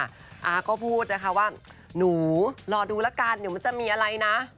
อาก็พูดนะคะว่าหนูรอดูแล้วกันเดี๋ยวมันจะมีอะไรนะ